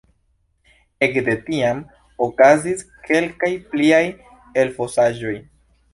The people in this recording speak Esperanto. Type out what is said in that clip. Ekde tiam okazis kelkaj pliaj elfosaĵoj.